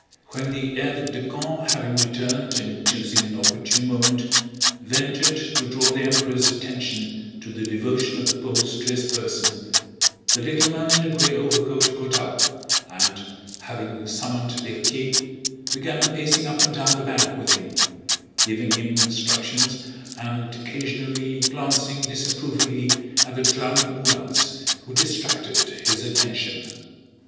When the aide de camp, having returned and choosing an opportune moment, ventured to draw the Emperor's attention to the devotion of the Poles to his person, the little man in the gray overcoat got up and, having summoned Berthier, began pacing up and down the bank with him, giving him instructions and occasionally glancing disapprovingly at the drowning Uhlans who distracted his attention.